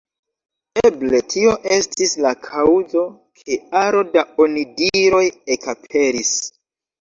Eble tio estis la kaŭzo, ke aro da onidiroj ekaperis.